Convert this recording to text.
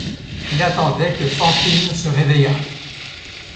Il attendait que Fantine se réveillât.